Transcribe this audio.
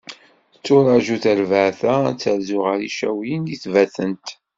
Tetturaǧu terbaɛt-a, ad terzu ɣer Yicawiyen di Tbatent.